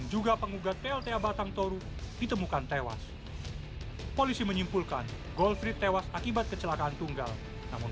jangan lupa untuk berlangganan